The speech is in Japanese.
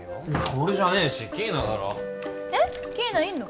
俺じゃねえしキイナだろえっキイナいんの？